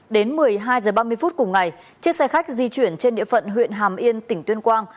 đến một mươi hai h ba mươi phút cùng ngày chiếc xe khách di chuyển trên địa phận huyện hàm yên tỉnh tuyên quang